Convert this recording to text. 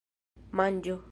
manĝo